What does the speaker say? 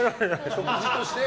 食事として？